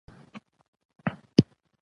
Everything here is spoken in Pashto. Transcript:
په تار تړلی څلور کونجه لرګی یې راته نیولی و.